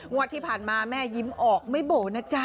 งวดที่ผ่านมาแม่ยิ้มออกไม่โบ๋นะจ๊ะ